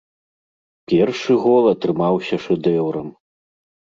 Першы гол атрымаўся шэдэўрам.